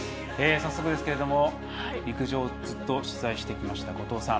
早速ですが陸上をずっと取材してきました後藤さん